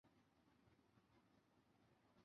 昂孔人口变化图示